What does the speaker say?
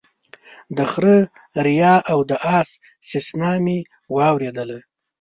د خره ريا او د اس سسنا مې واورېدله